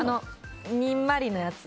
にんまりのやつ。